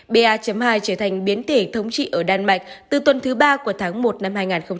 ba hai trở thành biến thể thống trị ở đan mạch từ tuần thứ ba của tháng một năm hai nghìn hai mươi